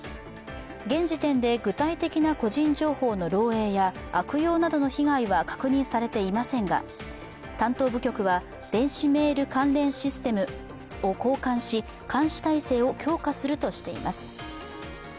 現時点で具体的な個人情報の漏えいや悪用などの被害は確認されていませんが、担当部局は、電子メール関連システムを交換し、監視体制を強化するとしています。